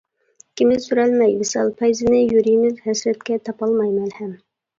ئىككىمىز سۈرەلمەي ۋىسال پەيزىنى، يۈرىمىز ھەسرەتكە تاپالماي مەلھەم.